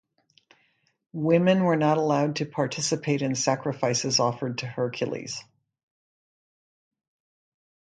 Women were not allowed to participate in sacrifices offered to Hercules.